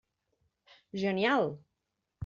Genial!